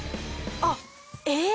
あっえっ！？